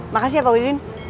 makasih ya pak widdin